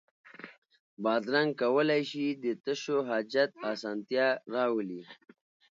بادرنګ کولای شي د تشو حاجت اسانتیا راولي.